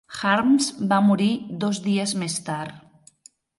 Harms va morir dos dies més tard.